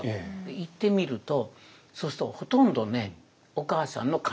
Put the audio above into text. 行ってみるとそうするとほとんどねお母さんの観察力です。